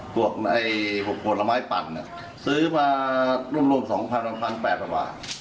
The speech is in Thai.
ตวกไอ้หกบนละไม้ปั่นอ่ะซื้อมาร่วมร่วมสองพันบาทพันแปดบาท